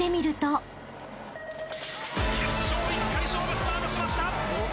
決勝１回勝負スタートしました。